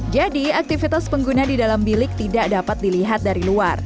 jadi aktivitas pengguna di dalam bilik tidak dapat dilihat dari luar